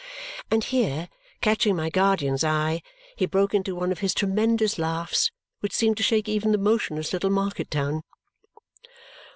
And here, catching my guardian's eye, he broke into one of his tremendous laughs, which seemed to shake even the motionless little market town.